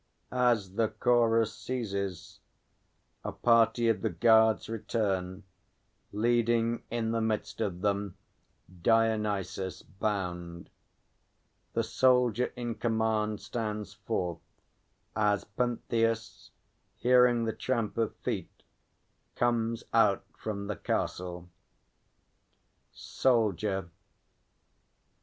[As the Chorus ceases, a party of the guards return, leading in the midst of them DIONYSUS, bound. The SOLDIER in command stands forth, as PENTHEUS, hearing the tramp of feet, comes out from the Castle. SOLDIER.